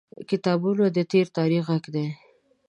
• کتابونه د تیر تاریخ غږ دی.